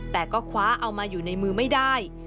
แต่ก็คว้าเอามาอยู่ในมือไม่ได้